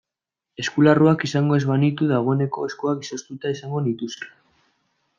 Eskularruak izango ez banitu dagoeneko eskuak izoztuta izango nituzke.